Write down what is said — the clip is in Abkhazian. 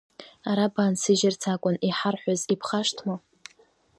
Ара баансыжьырц акәын иҳарҳәаз, ибхашҭма?